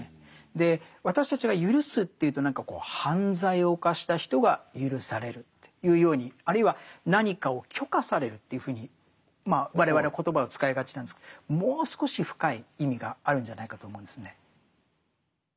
私たちがゆるすというと何か犯罪を犯した人がゆるされるというようにあるいは何かを許可されるというふうに我々は言葉を使いがちなんですけどもう少し深い意味があるんじゃないかと思うんですね。